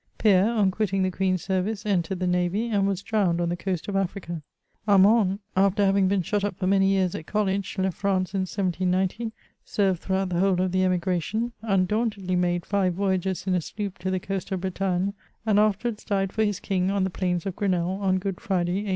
Pierre, on quitting the Queen's service, entered the navy, and was drowned on the coast of Africa. Armand, after hairing been shut up for many years at college, left France in 1790, served through out the whole of the emigration, undauntedly made five voyages in a sloop to the coast of Bretagne, and afterwards died for his King on the plains of Grenelle, on Good Friday, 1810.